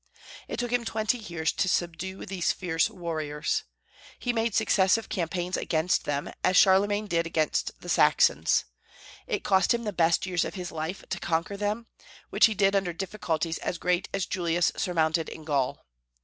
It took him twenty years to subdue these fierce warriors. He made successive campaigns against them, as Charlemagne did against the Saxons. It cost him the best years of his life to conquer them, which he did under difficulties as great as Julius surmounted in Gaul.